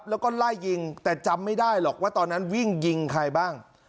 แล้วก็ไล่ยิงแต่จำไม่ได้หรอกว่าตอนนั้นวิ่งยิงใครบ้าง